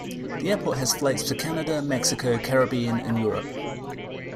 The airport has flights to Canada, Mexico, Caribbean, and Europe.